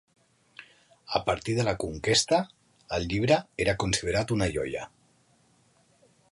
A partir de la conquesta, el llibre era considerat una joia.